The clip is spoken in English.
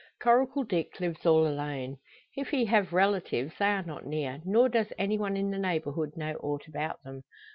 Coracle Dick lives all alone. If he have relatives they are not near, nor does any one in the neighbourhood know aught about them.